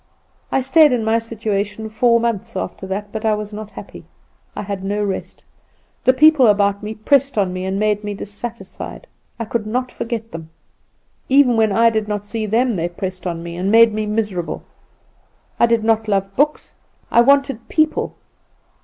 "I stayed in my situation four months after that, but I was not happy. I had no rest. The people about me pressed on me, and made me dissatisfied. I could not forget them. Even when I did not see them they pressed on me, and made me miserable. I did not love books; I wanted people.